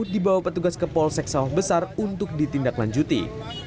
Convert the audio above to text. dibawa petugas ke polsek sawah besar untuk ditindaklanjuti